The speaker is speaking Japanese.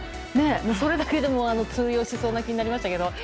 それだけでも通用しそうな気になりましたけど。